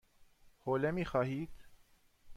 حوله می خواهید؟